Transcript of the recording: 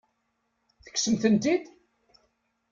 Tekksemt-tent-id?